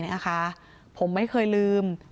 าคมได้เลยค่ะ